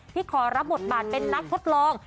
ขอรับบทบาทเป็นนักทดลอง